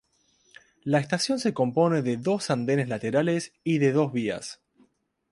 La estación se compone de dos andenes laterales y de dos vías.